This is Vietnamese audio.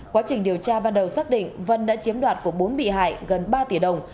quá trình điều tra ban đầu xác định vân đã chiếm đoạt của bốn bị hại gần ba tỷ đồng